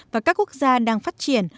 và các quốc gia đang phát triển